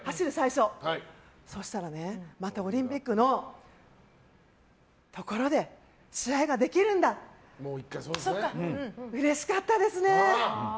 そうしたらオリンピックのところで試合ができるんだ！とうれしかったですね。